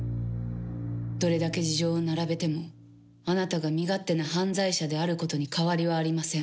どれだけ事情を並べてもあなたが身勝手な犯罪者であることに変わりありません。